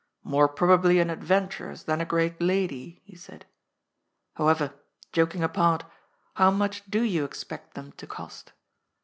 " More probably an adventuress than a great lady," he said. " However, joking apart, how much do you expect them to cost?"